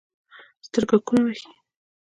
سترګکونه وهي